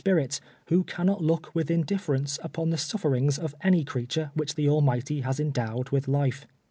*})irits, "svlio cannot look Avith indilt'erence upon the suti'erings of any creature ■wliieh the .Vhuighty has endowed with life.